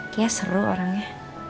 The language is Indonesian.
kayaknya seru orangnya